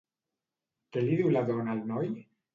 Què li diu la dona al noi?